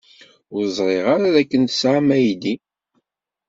Ur ẓriɣ ara dakken tesɛam aydi.